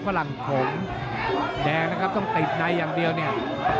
ฝรั่งขมแดงนะครับต้องติดในอย่างเดียวเนี่ย